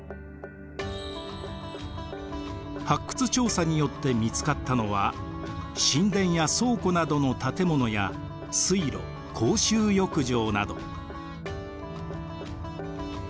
発掘調査によって見つかったのは神殿や倉庫などの建物や水路公衆浴場など。